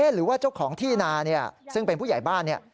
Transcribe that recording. หรือว่าเจ้าของที่นาซึ่งเป็นผู้ใหญ่บ้านเนี่ย